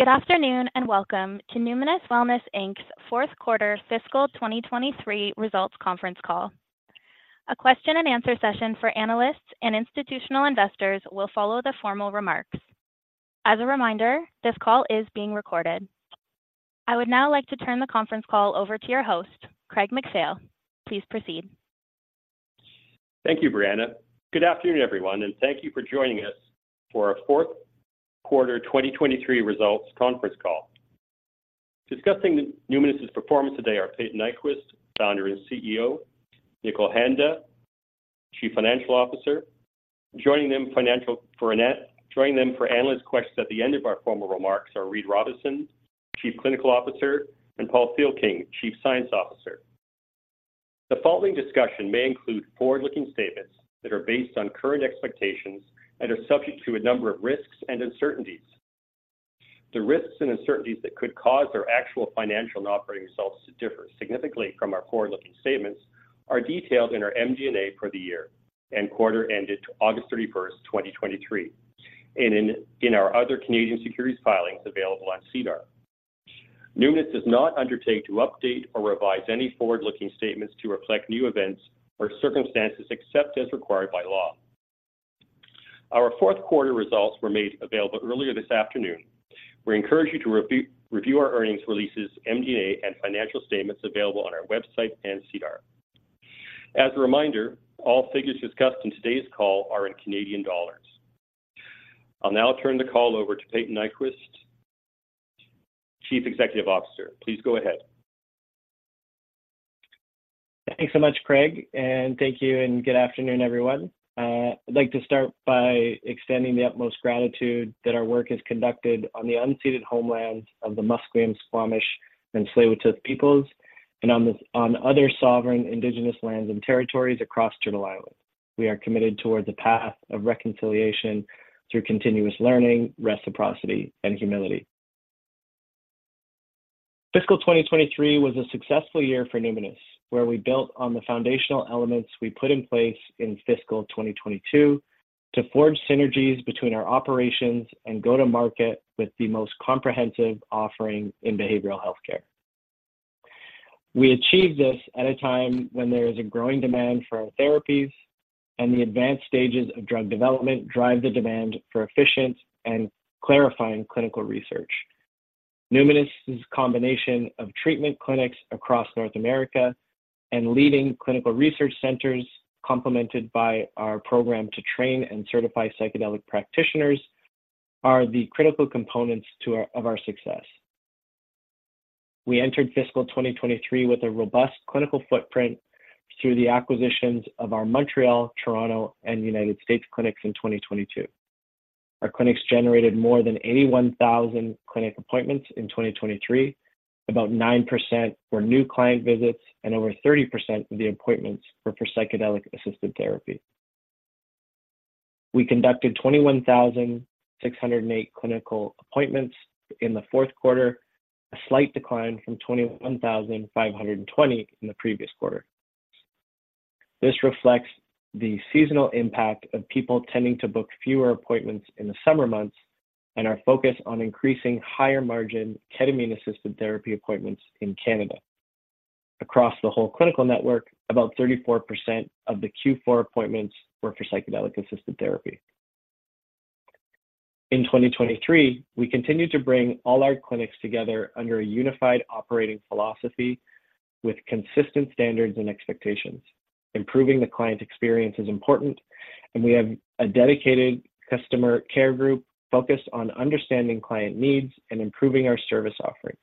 Good afternoon, and welcome to Numinus Wellness Inc's fourth quarter fiscal 2023 results conference call. A question and answer session for analysts and institutional investors will follow the formal remarks. As a reminder, this call is being recorded. I would now like to turn the conference call over to your host, Craig MacPhail. Please proceed. Thank you, Brianna. Good afternoon, everyone, and thank you for joining us for our fourth quarter 2023 results conference call. Discussing the Numinus's performance today are Payton Nyquvest, founder and CEO, Nikhil Handa, Chief Financial Officer. Joining them for analyst questions at the end of our formal remarks are Reid Robison, Chief Clinical Officer, and Paul Thielking, Chief Science Officer. The following discussion may include forward-looking statements that are based on current expectations and are subject to a number of risks and uncertainties. The risks and uncertainties that could cause our actual financial and operating results to differ significantly from our forward-looking statements are detailed in our MD&A for the year and quarter ended August 31, 2023, and in our other Canadian securities filings available on SEDAR. Numinus does not undertake to update or revise any forward-looking statements to reflect new events or circumstances, except as required by law. Our fourth quarter results were made available earlier this afternoon. We encourage you to review our earnings releases, MD&A, and financial statements available on our website and SEDAR. As a reminder, all figures discussed in today's call are in Canadian dollars. I'll now turn the call over to Payton Nyquvest, Chief Executive Officer. Please go ahead. Thanks so much, Craig, and thank you and good afternoon, everyone. I'd like to start by extending the utmost gratitude that our work is conducted on the unceded homelands of the Musqueam, Squamish, and Tsleil-Waututh peoples, and on the, on other sovereign indigenous lands and territories across Turtle Island. We are committed toward the path of reconciliation through continuous learning, reciprocity, and humility. Fiscal 2023 was a successful year for Numinus, where we built on the foundational elements we put in place in Fiscal 2022 to forge synergies between our operations and go to market with the most comprehensive offering in behavioral healthcare. We achieved this at a time when there is a growing demand for our therapies, and the advanced stages of drug development drive the demand for efficient and clarifying clinical research. Numinus's combination of treatment clinics across North America and leading clinical research centers, complemented by our program to train and certify psychedelic practitioners, are the critical components to our of our success. We entered fiscal 2023 with a robust clinical footprint through the acquisitions of our Montreal, Toronto, and United States clinics in 2022. Our clinics generated more than 81,000 clinic appointments in 2023. About 9% were new client visits, and over 30% of the appointments were for psychedelic-assisted therapy. We conducted 21,608 clinical appointments in the fourth quarter, a slight decline from 21,520 in the previous quarter. This reflects the seasonal impact of people tending to book fewer appointments in the summer months and our focus on increasing higher-margin ketamine-assisted therapy appointments in Canada. Across the whole clinical network, about 34% of the Q4 appointments were for psychedelic-assisted therapy. In 2023, we continued to bring all our clinics together under a unified operating philosophy with consistent standards and expectations. Improving the client experience is important, and we have a dedicated customer care group focused on understanding client needs and improving our service offerings.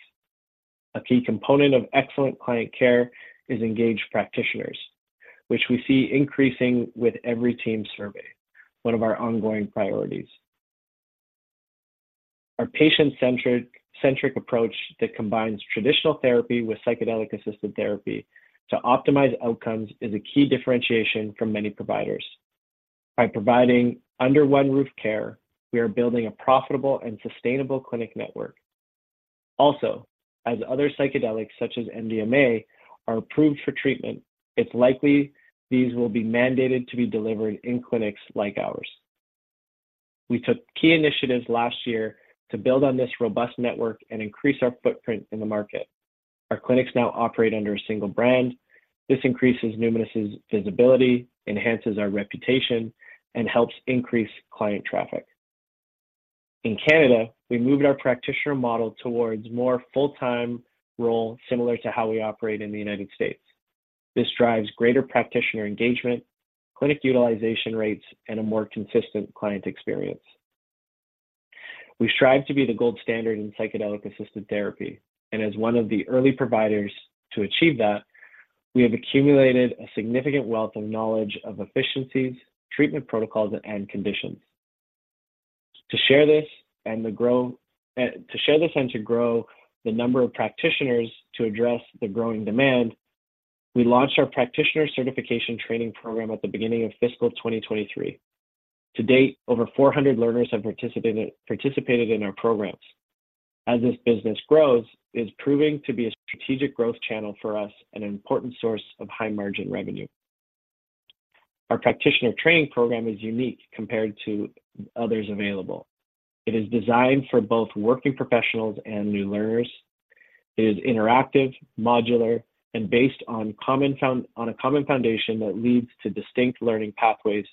A key component of excellent client care is engaged practitioners, which we see increasing with every team survey, one of our ongoing priorities. Our patient-centric approach that combines traditional therapy with psychedelic-assisted therapy to optimize outcomes is a key differentiation from many providers. By providing under-one-roof care, we are building a profitable and sustainable clinic network. Also, as other psychedelics, such as MDMA, are approved for treatment, it's likely these will be mandated to be delivered in clinics like ours. We took key initiatives last year to build on this robust network and increase our footprint in the market. Our clinics now operate under a single brand. This increases Numinus's visibility, enhances our reputation, and helps increase client traffic. In Canada, we moved our practitioner model towards more full-time role, similar to how we operate in the United States. This drives greater practitioner engagement, clinic utilization rates, and a more consistent client experience. We strive to be the gold standard in psychedelic-assisted therapy, and as one of the early providers to achieve that, we have accumulated a significant wealth of knowledge of efficiencies, treatment protocols, and conditions. To share this and to grow the number of practitioners to address the growing demand, we launched our practitioner certification training program at the beginning of fiscal 2023. To date, over 400 learners have participated in our programs. As this business grows, it's proving to be a strategic growth channel for us and an important source of high-margin revenue. Our practitioner training program is unique compared to others available. It is designed for both working professionals and new learners. It is interactive, modular, and based on a common foundation that leads to distinct learning pathways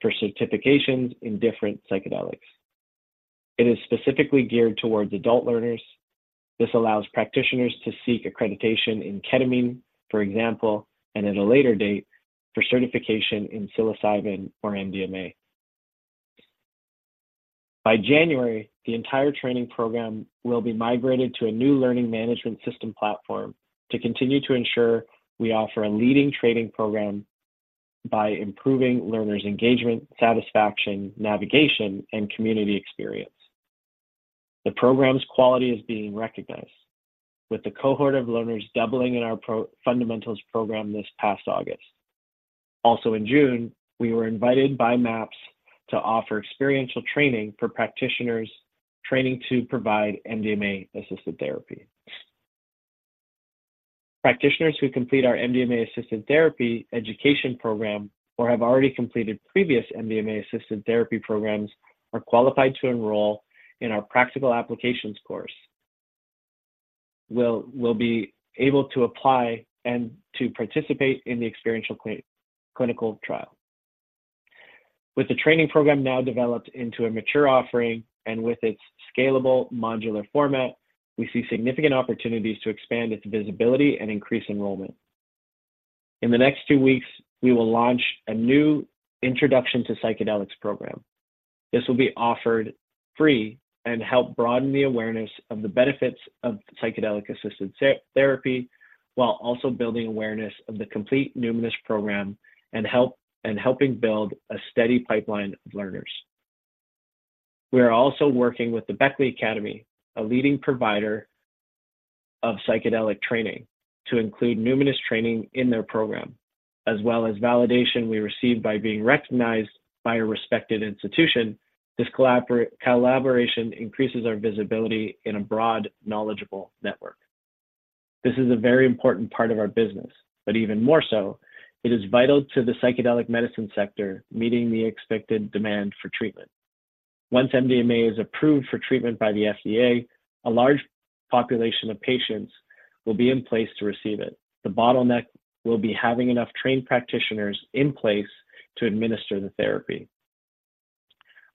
for certifications in different psychedelics. It is specifically geared towards adult learners. This allows practitioners to seek accreditation in ketamine, for example, and at a later date, for certification in psilocybin or MDMA. By January, the entire training program will be migrated to a new learning management system platform to continue to ensure we offer a leading training program by improving learners' engagement, satisfaction, navigation, and community experience. The program's quality is being recognized, with the cohort of learners doubling in our fundamentals program this past August. Also in June, we were invited by MAPS to offer experiential training for practitioners training to provide MDMA-assisted therapy. Practitioners who complete our MDMA-assisted therapy education program or have already completed previous MDMA-assisted therapy programs are qualified to enroll in our practical applications course, will be able to apply and to participate in the experiential clinical trial. With the training program now developed into a mature offering and with its scalable modular format, we see significant opportunities to expand its visibility and increase enrollment. In the next two weeks, we will launch a new introduction to psychedelics program. This will be offered free and help broaden the awareness of the benefits of psychedelic-assisted therapy, while also building awareness of the complete Numinus program and helping build a steady pipeline of learners. We are also working with the Beckley Academy, a leading provider of psychedelic training, to include Numinus training in their program. As well as validation we receive by being recognized by a respected institution, this collaboration increases our visibility in a broad, knowledgeable network. This is a very important part of our business, but even more so, it is vital to the psychedelic medicine sector, meeting the expected demand for treatment. Once MDMA is approved for treatment by the FDA, a large population of patients will be in place to receive it. The bottleneck will be having enough trained practitioners in place to administer the therapy.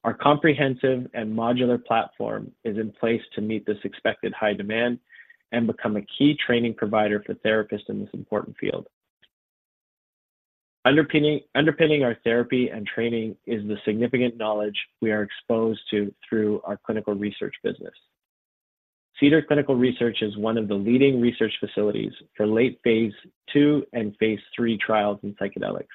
Our comprehensive and modular platform is in place to meet this expected high demand and become a key training provider for therapists in this important field. Underpinning our therapy and training is the significant knowledge we are exposed to through our clinical research business. Cedar Clinical Research is one of the leading research facilities for late phase 2 and phase 3 trials in psychedelics.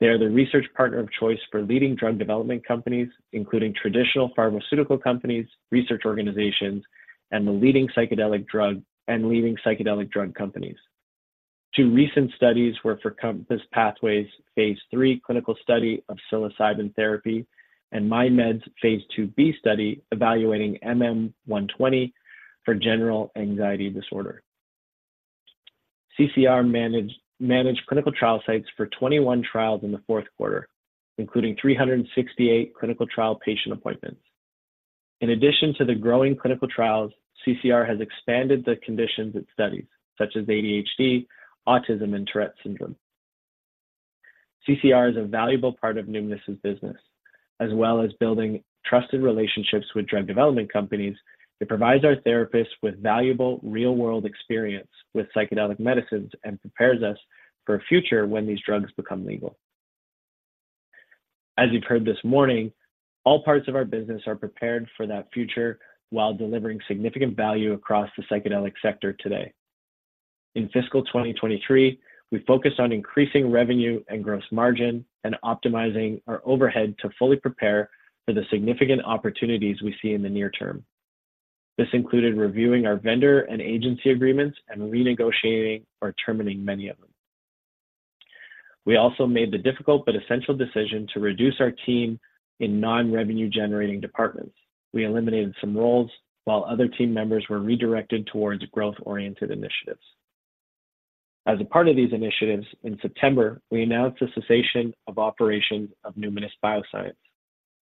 They are the research partner of choice for leading drug development companies, including traditional pharmaceutical companies, research organizations, and leading psychedelic drug companies. Two recent studies were for COMPASS Pathways' phase 3 clinical study of psilocybin therapy and MindMed's phase 2b study evaluating MM120 for general anxiety disorder. CCR managed clinical trial sites for 21 trials in the fourth quarter, including 368 clinical trial patient appointments. In addition to the growing clinical trials, CCR has expanded the conditions it studies, such as ADHD, autism, and Tourette syndrome. CCR is a valuable part of Numinus' business, as well as building trusted relationships with drug development companies. It provides our therapists with valuable real-world experience with psychedelic medicines and prepares us for a future when these drugs become legal. As you've heard this morning, all parts of our business are prepared for that future while delivering significant value across the psychedelic sector today. In fiscal 2023, we focused on increasing revenue and gross margin and optimizing our overhead to fully prepare for the significant opportunities we see in the near term. This included reviewing our vendor and agency agreements and renegotiating or terminating many of them. We also made the difficult but essential decision to reduce our team in non-revenue generating departments. We eliminated some roles, while other team members were redirected towards growth-oriented initiatives. As a part of these initiatives, in September, we announced the cessation of operations of Numinus Bioscience,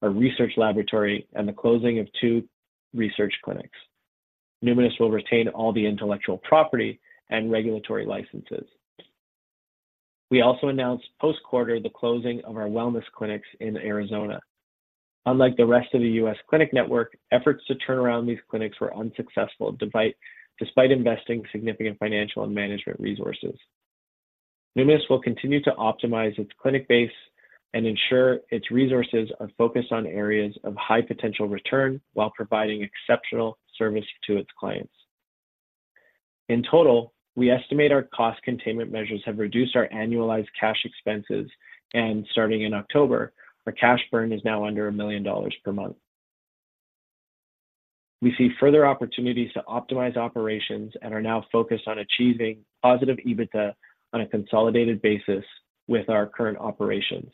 a research laboratory, and the closing of two research clinics. Numinus will retain all the intellectual property and regulatory licenses. We also announced post-quarter, the closing of our wellness clinics in Arizona. Unlike the rest of the US clinic network, efforts to turn around these clinics were unsuccessful, despite investing significant financial and management resources. Numinus will continue to optimize its clinic base and ensure its resources are focused on areas of high potential return while providing exceptional service to its clients. In total, we estimate our cost containment measures have reduced our annualized cash expenses, and starting in October, our cash burn is now under 1 million dollars per month. We see further opportunities to optimize operations and are now focused on achieving positive EBITDA on a consolidated basis with our current operations...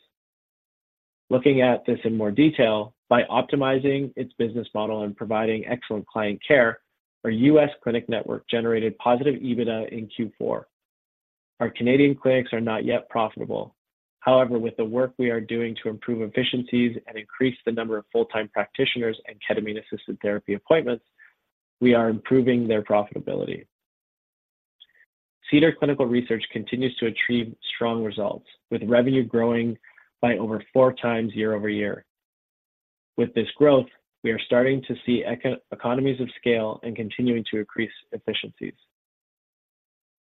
Looking at this in more detail, by optimizing its business model and providing excellent client care, our U.S. clinic network generated positive EBITDA in Q4. Our Canadian clinics are not yet profitable. However, with the work we are doing to improve efficiencies and increase the number of full-time practitioners and ketamine-assisted therapy appointments, we are improving their profitability. Cedar Clinical Research continues to achieve strong results, with revenue growing by over four times year-over-year. With this growth, we are starting to see economies of scale and continuing to increase efficiencies.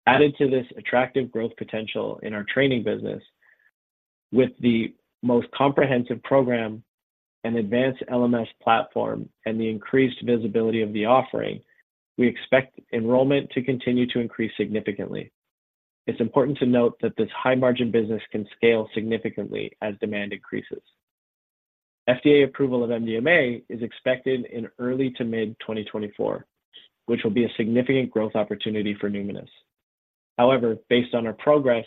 Added to this attractive growth potential in our training business, with the most comprehensive program and advanced LMS platform and the increased visibility of the offering, we expect enrollment to continue to increase significantly. It's important to note that this high-margin business can scale significantly as demand increases. FDA approval of MDMA is expected in early to mid-2024, which will be a significant growth opportunity for Numinus. However, based on our progress,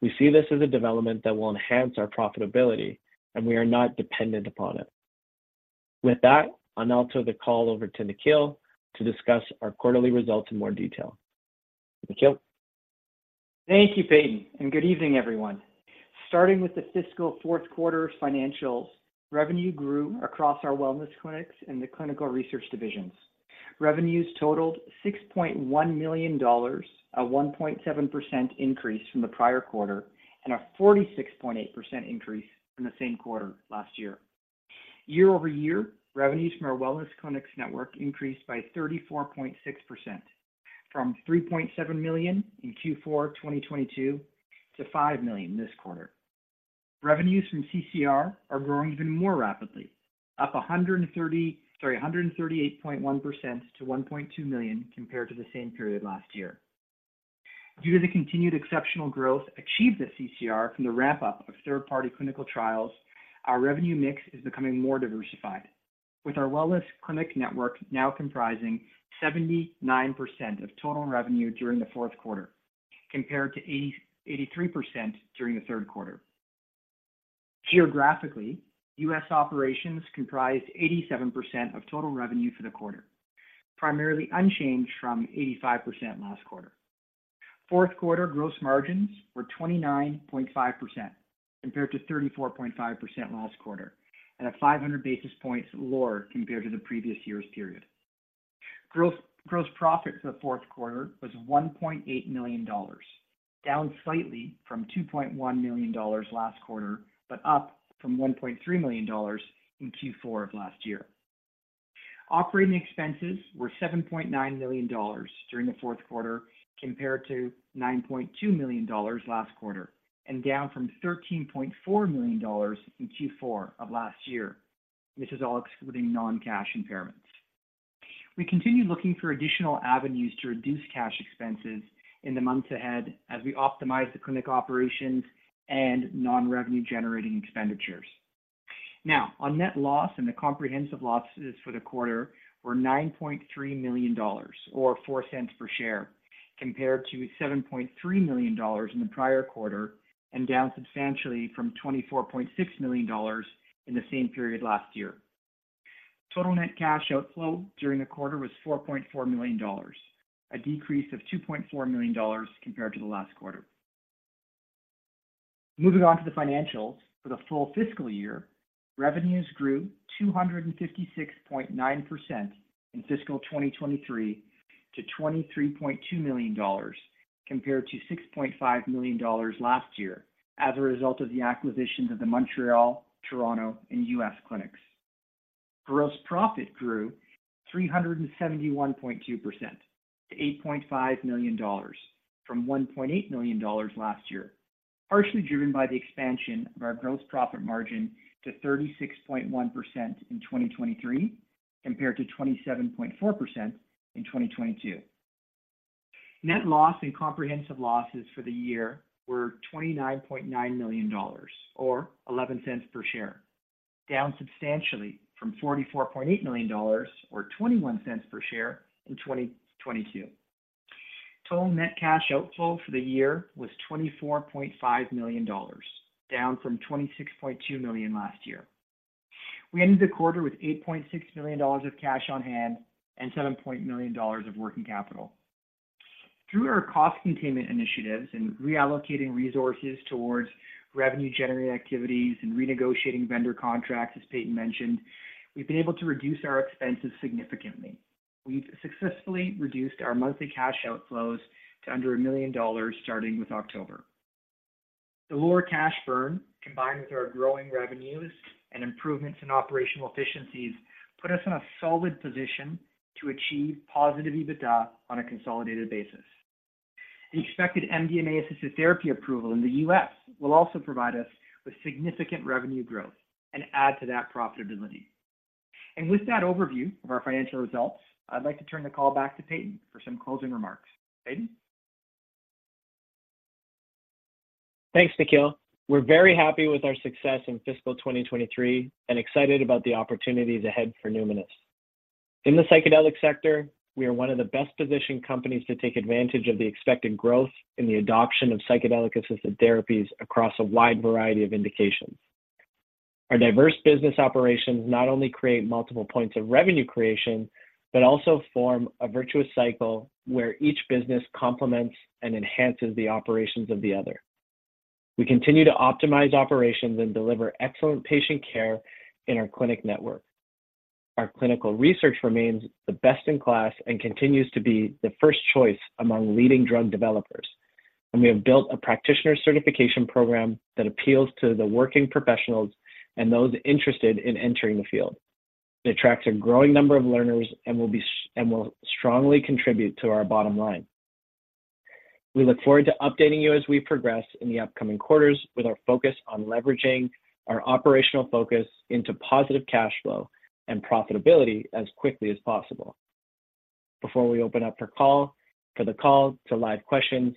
we see this as a development that will enhance our profitability, and we are not dependent upon it. With that, I'll now throw the call over to Nikhil to discuss our quarterly results in more detail. Nikhil? Thank you, Payton, and good evening, everyone. Starting with the fiscal fourth quarter financials, revenue grew across our wellness clinics and the clinical research divisions. Revenues totaled 6.1 million dollars, a 1.7% increase from the prior quarter and a 46.8% increase from the same quarter last year. Year-over-year, revenues from our wellness clinics network increased by 34.6%, from 3.7 million in Q4 2022 to 5 million this quarter. Revenues from CCR are growing even more rapidly, up 138.1% to 1.2 million compared to the same period last year. Due to the continued exceptional growth achieved at CCR from the ramp-up of third-party clinical trials, our revenue mix is becoming more diversified, with our wellness clinic network now comprising 79% of total revenue during the fourth quarter, compared to 83% during the third quarter. Geographically, U.S. operations comprised 87% of total revenue for the quarter, primarily unchanged from 85% last quarter. Fourth quarter gross margins were 29.5%, compared to 34.5% last quarter, and at 500 basis points lower compared to the previous year's period. Gross profit for the fourth quarter was 1.8 million dollars, down slightly from 2.1 million dollars last quarter, but up from 1.3 million dollars in Q4 of last year. Operating expenses were 7.9 million dollars during the fourth quarter, compared to 9.2 million dollars last quarter, and down from 13.4 million dollars in Q4 of last year. This is all excluding non-cash impairments. We continue looking for additional avenues to reduce cash expenses in the months ahead as we optimize the clinic operations and non-revenue-generating expenditures. Now, our net loss and the comprehensive losses for the quarter were 9.3 million dollars, or 0.04 per share, compared to 7.3 million dollars in the prior quarter and down substantially from 24.6 million dollars in the same period last year. Total net cash outflow during the quarter was 4.4 million dollars, a decrease of 2.4 million dollars compared to the last quarter. Moving on to the financials for the full fiscal year, revenues grew 256.9% in fiscal 2023 to 23.2 million dollars, compared to 6.5 million dollars last year, as a result of the acquisitions of the Montreal, Toronto, and U.S. clinics. Gross profit grew 371.2% to 8.5 million dollars, from 1.8 million dollars last year, partially driven by the expansion of our gross profit margin to 36.1% in 2023, compared to 27.4% in 2022. Net loss and comprehensive losses for the year were 29.9 million dollars, or 11 cents per share, down substantially from 44.8 million dollars, or 21 cents per share, in 2022. Total net cash outflow for the year was 24.5 million dollars, down from 26.2 million last year. We ended the quarter with 8.6 million dollars of cash on hand and 7 million of working capital. Through our cost containment initiatives and reallocating resources towards revenue-generating activities and renegotiating vendor contracts, as Payton mentioned, we've been able to reduce our expenses significantly. We've successfully reduced our monthly cash outflows to under 1 million dollars, starting with October. The lower cash burn, combined with our growing revenues and improvements in operational efficiencies, put us in a solid position to achieve positive EBITDA on a consolidated basis. An expected MDMA-assisted therapy approval in the U.S. will also provide us with significant revenue growth and add to that profitability. With that overview of our financial results, I'd like to turn the call back to Payton for some closing remarks. Payton? Thanks, Nikhil. We're very happy with our success in fiscal 2023 and excited about the opportunities ahead for Numinus.... In the psychedelic sector, we are one of the best-positioned companies to take advantage of the expected growth in the adoption of psychedelic-assisted therapies across a wide variety of indications. Our diverse business operations not only create multiple points of revenue creation, but also form a virtuous cycle where each business complements and enhances the operations of the other. We continue to optimize operations and deliver excellent patient care in our clinic network. Our clinical research remains the best-in-class and continues to be the first choice among leading drug developers, and we have built a practitioner certification program that appeals to the working professionals and those interested in entering the field. It attracts a growing number of learners and will and will strongly contribute to our bottom line. We look forward to updating you as we progress in the upcoming quarters, with our focus on leveraging our operational focus into positive cash flow and profitability as quickly as possible. Before we open up our call for live questions,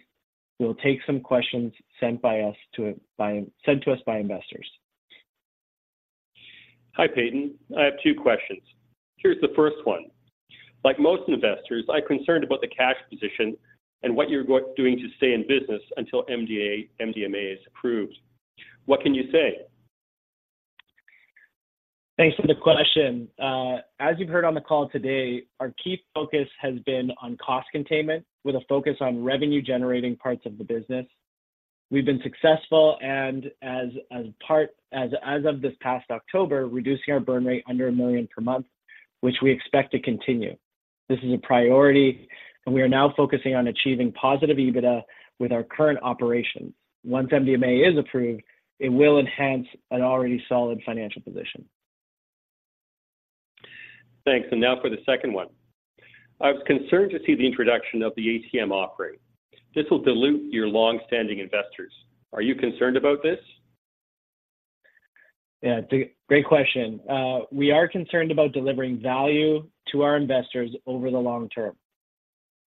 we will take some questions sent to us by investors. Hi, Payton. I have two questions. Here's the first one: Like most investors, I'm concerned about the cash position and what you're doing to stay in business until MDMA is approved. What can you say? Thanks for the question. As you've heard on the call today, our key focus has been on cost containment, with a focus on revenue-generating parts of the business. We've been successful, and as of this past October, reducing our burn rate under 1 million per month, which we expect to continue. This is a priority, and we are now focusing on achieving positive EBITDA with our current operations. Once MDMA is approved, it will enhance an already solid financial position. Thanks. Now for the second one. I was concerned to see the introduction of the ATM offering. This will dilute your long-standing investors. Are you concerned about this? Yeah, great question. We are concerned about delivering value to our investors over the long term.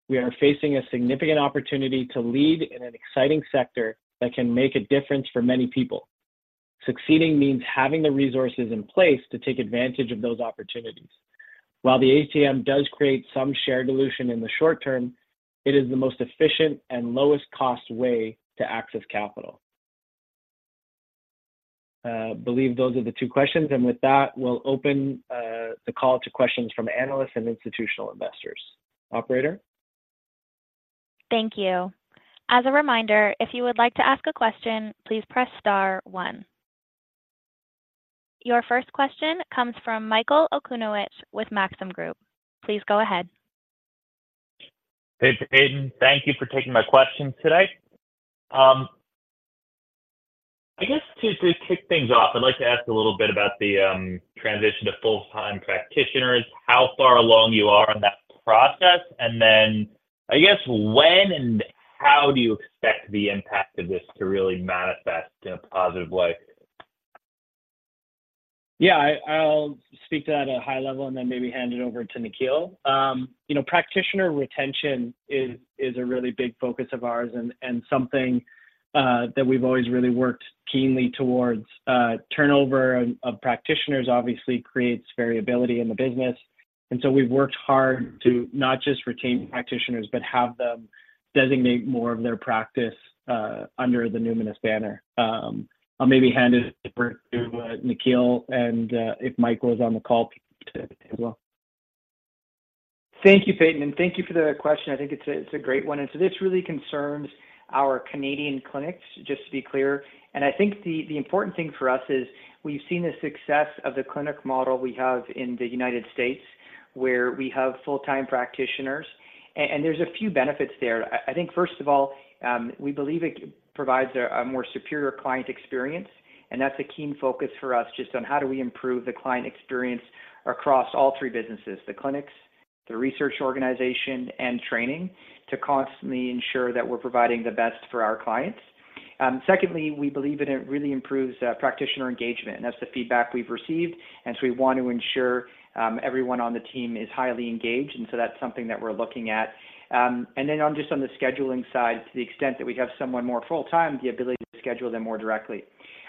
We are facing a significant opportunity to lead in an exciting sector that can make a difference for many people. Succeeding means having the resources in place to take advantage of those opportunities. While the ATM does create some share dilution in the short term, it is the most efficient and lowest-cost way to access capital. I believe those are the two questions, and with that, we'll open the call to questions from analysts and institutional investors. Operator? Thank you. As a reminder, if you would like to ask a question, please press Star One. Your first question comes from Michael Okunewich with Maxim Group. Please go ahead. Hey, Payton, thank you for taking my questions today. I guess to, to kick things off, I'd like to ask a little bit about the transition to full-time practitioners, how far along you are in that process, and then, I guess, when and how do you expect the impact of this to really manifest in a positive way? Yeah, I'll speak to that at a high level and then maybe hand it over to Nikhil. You know, practitioner retention is a really big focus of ours and something that we've always really worked keenly towards. Turnover of practitioners obviously creates variability in the business, and so we've worked hard to not just retain practitioners, but have them designate more of their practice under the Numinus banner. I'll maybe hand it over to Nikhil, and if Mike was on the call as well. Thank you, Peyton, and thank you for the question. I think it's a great one, and so this really concerns our Canadian clinics, just to be clear. I think the important thing for us is we've seen the success of the clinic model we have in the United States, where we have full-time practitioners. And there's a few benefits there. I think, first of all, we believe it provides a more superior client experience, and that's a key focus for us, just on how do we improve the client experience across all three businesses: the clinics, the research organization, and training, to constantly ensure that we're providing the best for our clients. Secondly, we believe it really improves practitioner engagement, and that's the feedback we've received, and so we want to ensure everyone on the team is highly engaged, and so that's something that we're looking at. And then on, just on the scheduling side, to the extent that we have someone more full-time, the ability to schedule them more directly.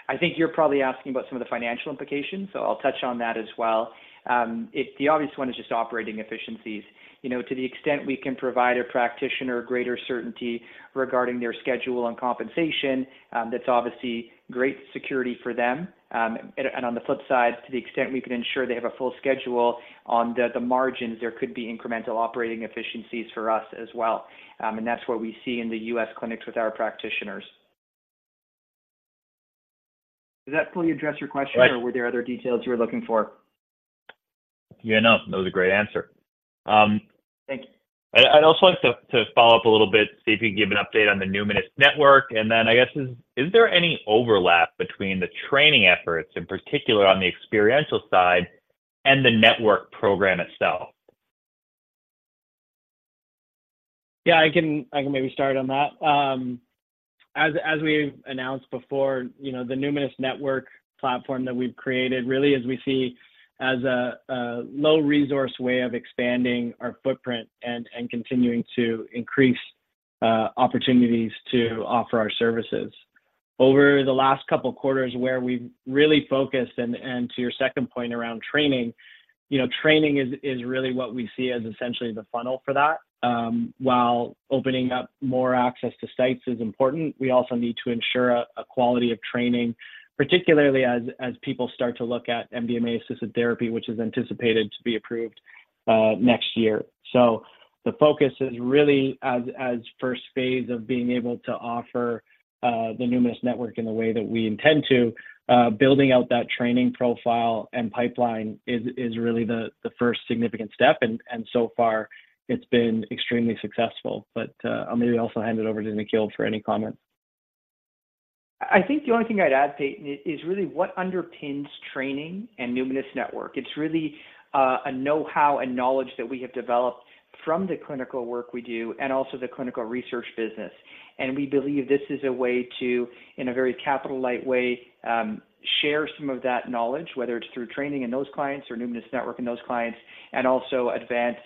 I think you're probably asking about some of the financial implications, so I'll touch on that as well. The obvious one is just operating efficiencies. You know, to the extent we can provide a practitioner greater certainty regarding their schedule and compensation, that's obviously great security for them. And on the flip side, to the extent we can ensure they have a full schedule on the margins, there could be incremental operating efficiencies for us as well. That's what we see in the U.S. clinics with our practitioners. Does that fully address your question? Right. or were there other details you were looking for? Yeah, no, that was a great answer. Thank you. I'd also like to follow up a little bit, see if you can give an update on the Numinus Network, and then, I guess, is there any overlap between the training efforts, in particular on the experiential side, and the network program itself? Yeah, I can, I can maybe start on that. As we've announced before, you know, the Numinus Network platform that we've created really is we see as a low-resource way of expanding our footprint and continuing to increase opportunities to offer our services over the last couple quarters where we've really focused, and to your second point around training, you know, training is really what we see as essentially the funnel for that. While opening up more access to sites is important, we also need to ensure a quality of training, particularly as people start to look at MDMA-assisted therapy, which is anticipated to be approved next year. So the focus is really as first phase of being able to offer the Numinus Network in the way that we intend to. Building out that training profile and pipeline is really the first significant step, and so far it's been extremely successful. But, I'll maybe also hand it over to Nikhil for any comment. I think the only thing I'd add, Payton, is really what underpins training and Numinus Network. It's really a know-how and knowledge that we have developed from the clinical work we do, and also the clinical research business. We believe this is a way to, in a very capital-light way, share some of that knowledge, whether it's through training and those clients or Numinus Network and those clients, and also advance,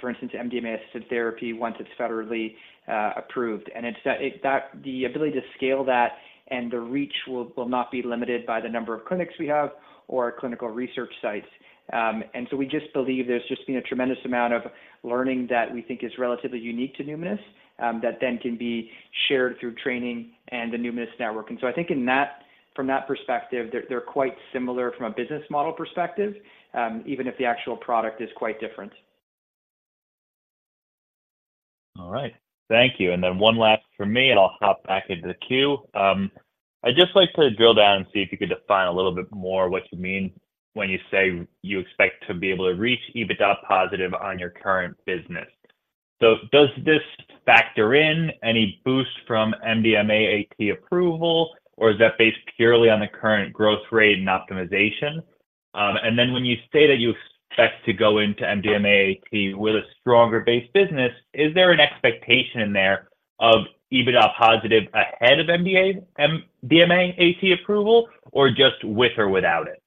for instance, MDMA-assisted therapy once it's federally approved. It's that the ability to scale that and the reach will not be limited by the number of clinics we have or our clinical research sites. So we just believe there's just been a tremendous amount of learning that we think is relatively unique to Numinus, that then can be shared through training and the Numinus Network. I think in that, from that perspective, they're quite similar from a business model perspective, even if the actual product is quite different. All right. Thank you. And then one last from me, and I'll hop back into the queue. I'd just like to drill down and see if you could define a little bit more what you mean when you say you expect to be able to reach EBITDA positive on your current business. So does this factor in any boost from MDMA-AT approval, or is that based purely on the current growth rate and optimization? And then when you state that you expect to go into MDMA-AT with a stronger base business, is there an expectation in there of EBITDA positive ahead of MDMA-AT approval, or just with or without it?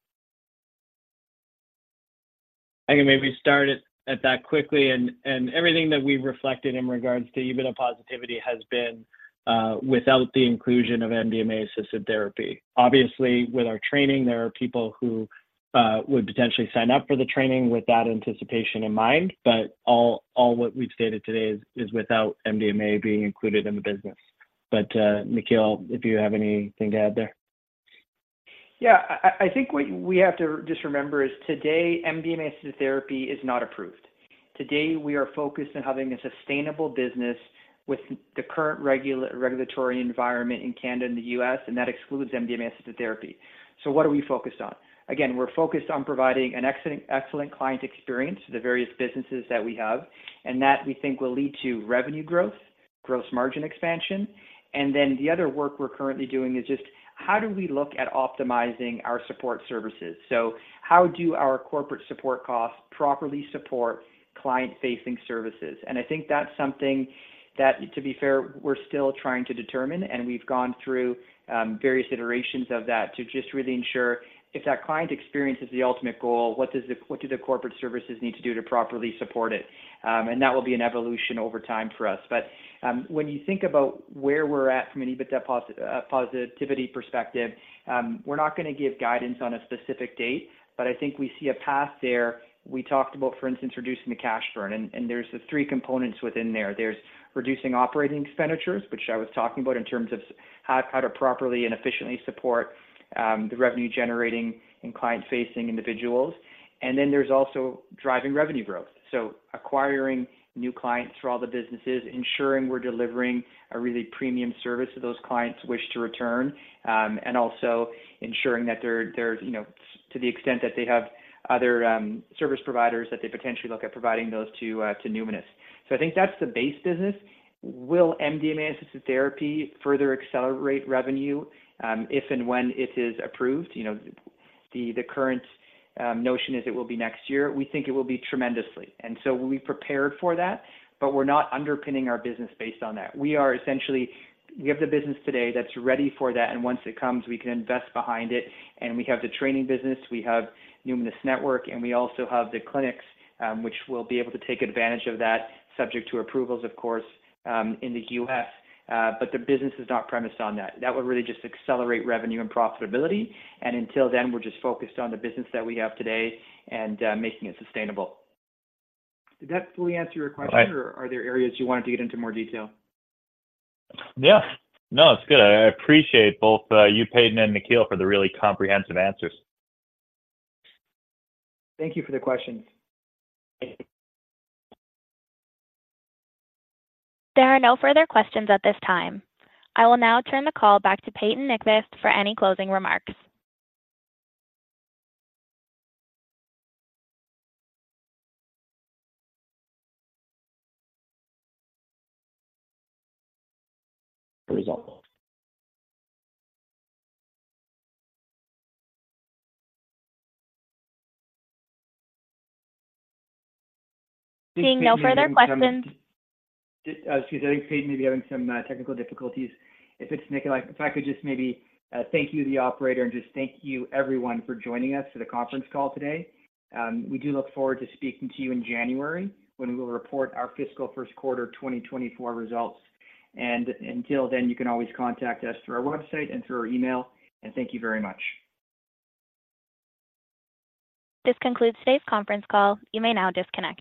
I can maybe start at that quickly. And everything that we've reflected in regards to EBITDA positivity has been without the inclusion of MDMA-assisted therapy. Obviously, with our training, there are people who would potentially sign up for the training with that anticipation in mind, but all what we've stated today is without MDMA being included in the business. But, Nikhil, if you have anything to add there. Yeah. I think what we have to just remember is today, MDMA-assisted therapy is not approved. Today, we are focused on having a sustainable business with the current regulatory environment in Canada and the U.S., and that excludes MDMA-assisted therapy. So what are we focused on? Again, we're focused on providing an excellent, excellent client experience to the various businesses that we have, and that we think will lead to revenue growth, gross margin expansion. And then the other work we're currently doing is just how do we look at optimizing our support services? So how do our corporate support costs properly support client-facing services? And I think that's something that, to be fair, we're still trying to determine, and we've gone through various iterations of that to just really ensure if that client experience is the ultimate goal, what does the- what do the corporate services need to do to properly support it? And that will be an evolution over time for us. But when you think about where we're at from an EBITDA positivity perspective, we're not gonna give guidance on a specific date, but I think we see a path there. We talked about, for instance, reducing the cash burn, and, and there's the three components within there. There's reducing operating expenditures, which I was talking about in terms of how, how to properly and efficiently support the revenue-generating and client-facing individuals. And then there's also driving revenue growth. So acquiring new clients through all the businesses, ensuring we're delivering a really premium service so those clients wish to return, and also ensuring that there, there's, you know, to the extent that they have other service providers, that they potentially look at providing those to, to Numinus. So I think that's the base business. Will MDMA-Assisted Therapy further accelerate revenue, if and when it is approved? You know, the current notion is it will be next year. We think it will be tremendously, and so we'll be prepared for that, but we're not underpinning our business based on that. We are essentially... We have the business today that's ready for that, and once it comes, we can invest behind it. We have the training business, we have Numinus Network, and we also have the clinics, which will be able to take advantage of that, subject to approvals, of course, in the U.S. But the business is not premised on that. That would really just accelerate revenue and profitability, and until then, we're just focused on the business that we have today and making it sustainable. Did that fully answer your question? Right... or are there areas you wanted to get into more detail? Yeah. No, it's good. I appreciate both, you, Payton and Nikhil, for the really comprehensive answers. Thank you for the questions. There are no further questions at this time. I will now turn the call back to Payton Nyquvest for any closing remarks. Seeing no further questions. Excuse me. I think Payton may be having some technical difficulties. It's Nikhil, if I could just maybe thank you, the operator, and just thank you everyone for joining us to the conference call today. We do look forward to speaking to you in January, when we will report our fiscal first quarter 2024 results. Until then, you can always contact us through our website and through our email, and thank you very much. This concludes today's conference call. You may now disconnect.